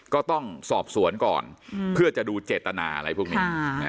ก็ต้องสอบสวนก่อนเพื่อจะดูเจตนาอะไรพวกนี้